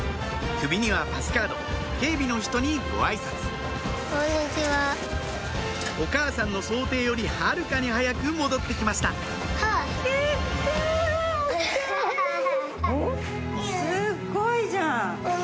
首にはパスカード警備の人にご挨拶お母さんの想定よりはるかに早く戻ってきましたすっごいじゃん！